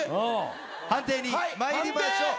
判定に参りましょう。